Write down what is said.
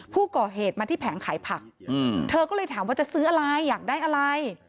ผู้ก่อเหตุมาที่แผงขายผักเธอก็เลยถามว่าจะซื้ออะไรอยากได้อะไร